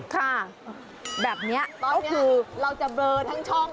ก็คือเราจะเบลอทั้งช่อง